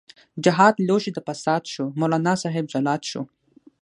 جهاد لوښۍ د فساد شو، مولانا صاحب جلاد شو